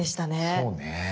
そうね。